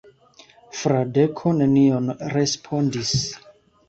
Fradeko nenion respondis.